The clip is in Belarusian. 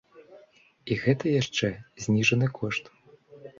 І гэта яшчэ зніжаны кошт!